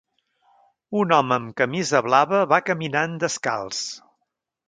Un home amb camisa blava va caminant descalç.